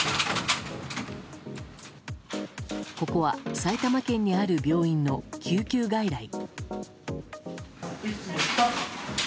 ここは埼玉県にある病院の救急外来。